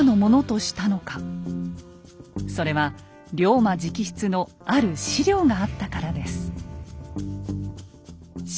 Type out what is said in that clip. それは龍馬直筆のある史料があったからです。